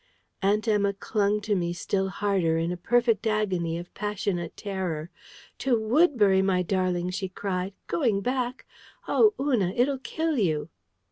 Aunt Emma clung to me still harder in a perfect agony of passionate terror. "To Woodbury, my darling!" she cried. "Going back! Oh, Una, it'll kill you!"